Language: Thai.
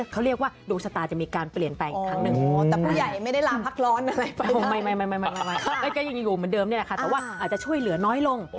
เขาเรียกว่าดวงชะตาจะมีการเปลี่ยนไปอีกครั้งหนึ่ง